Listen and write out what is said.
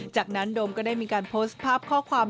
จากนั้นโดมก็ได้มีการโพสต์ภาพข้อความ